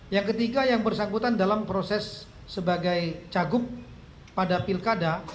yang ketiga yang bersangkutan dalam proses sebagai cagup pada pilkada